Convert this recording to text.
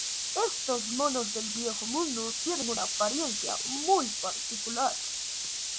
Estos monos del Viejo Mundo tienen una apariencia muy particular.